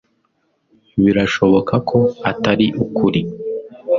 birashoboka ko atari ukuri